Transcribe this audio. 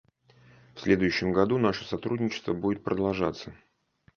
В следующем году наше сотрудничество будет продолжаться.